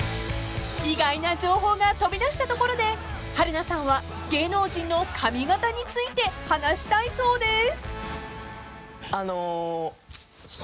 ［意外な情報が飛び出したところで春菜さんは芸能人の髪形について話したいそうです］